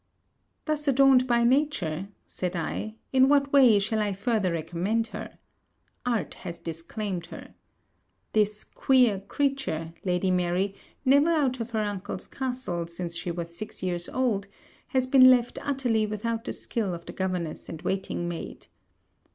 'Thus adorned by nature,' said I, 'in what way shall I further recommend her? Art has disclaimed her. This queer creature, Lady Mary, never out of her uncle's castle since she was six years old, has been left utterly without the skill of the governess and waiting maid.